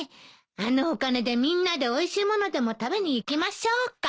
あのお金でみんなでおいしいものでも食べに行きましょうか。